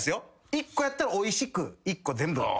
１個やったらおいしく１個全部。